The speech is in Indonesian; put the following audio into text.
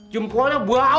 jempolnya bau lagi